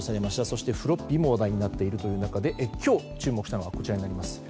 そしてフロッピーも話題になっている中で今日、注目したのはこちらです。